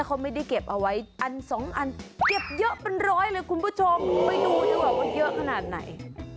เยอะขนาดไหน